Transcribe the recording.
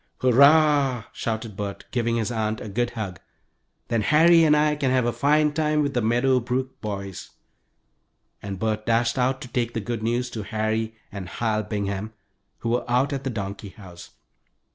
"Hurrah!" shouted Bert, giving his aunt a good hug. "Then Harry and I can have a fine time with the Meadow Brook boys," and Bert dashed out to take the good news to Harry and Hal Bingham, who were out at the donkey house.